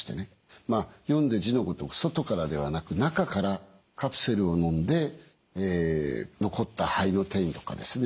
読んで字のごとく外からではなく中からカプセルをのんで残った肺の転移とかですね